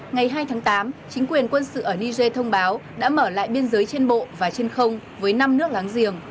ngày hai tháng tám chính quyền quân sự ở niger thông báo đã mở lại biên giới trên bộ và trên không với năm nước láng giềng